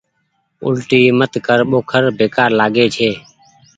اولٽي مت ڪر ٻوکر بيڪآر لآڳي ڇي